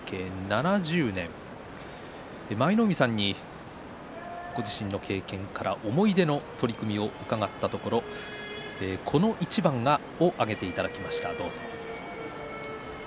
７０年舞の海さんにご自身の経験から思い出の取組を伺ったところこの一番を挙げていただきました。